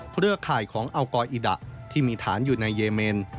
เครือข่ายของอัลกออิดะที่มีฐานอยู่ในเยเมน